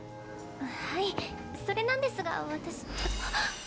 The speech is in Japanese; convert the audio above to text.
はいそれなんですが私はっ！